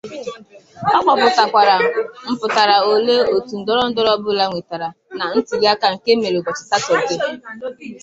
Ọ kpọpụtakwara mpụtara ole otu ndọrọndọrọ ọbụla nwetere na ntụliaka nke e mere ụbọchị Satọdee